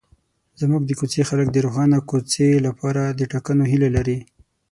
زموږ د کوڅې خلک د روښانه کوڅې لپاره د ټاکنو هیله لري.